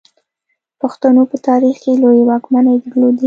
پښتنو په تاریخ کې لویې واکمنۍ درلودې